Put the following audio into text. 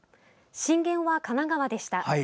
震源は神奈川でした。